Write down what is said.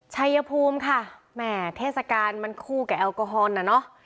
ชัยภูมิค่ะแหม่เทศกาลมันคู่กับแอลกอฮอลน่ะเนอะ